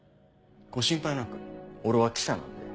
ご心配なく俺は記者なんで。